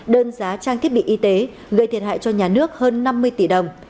đơn giá trang thiết bị y tế gây thiệt hại cho nhà nước hơn năm mươi tỷ đồng